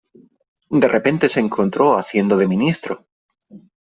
De repente se encontró haciendo de ministro.